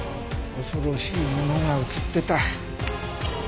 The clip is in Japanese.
恐ろしいものが写ってた。